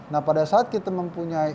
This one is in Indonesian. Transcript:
nah pada saat kita mempunyai